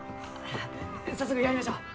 早速やりましょう！